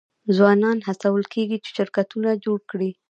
ځوانان هڅول کیږي چې شرکتونه جوړ کړي.